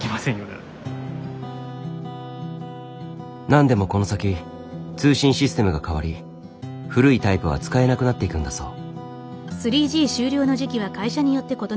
なんでもこの先通信システムがかわり古いタイプは使えなくなっていくんだそう。